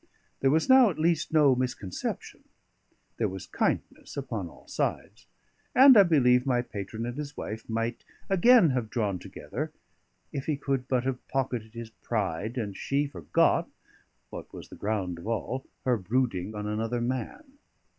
There was now at least no misconception; there was kindness upon all sides; and I believe my patron and his wife might again have drawn together if he could but have pocketed his pride, and she forgot (what was the ground of all) her brooding on another man.